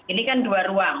ini kan dua ruang